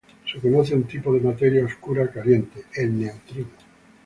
Se conoce un tipo de materia oscura caliente: el neutrino.